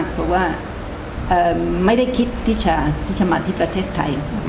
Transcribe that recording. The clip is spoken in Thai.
เพราะว่าไม่ได้คิดที่จะมาที่ประเทศไทย